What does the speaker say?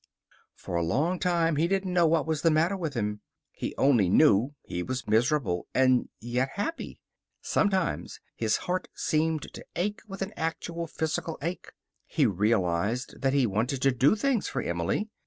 For a long time he didn't know what was the matter with him. He only knew he was miserable, and yet happy. Sometimes his heart seemed to ache with an actual physical ache. He realized that he wanted to do things for Emily.